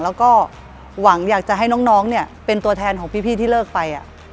แล้วก็หวังอยากจะให้น้องเนี่ยเป็นตัวแทนของพี่ที่เลิกไป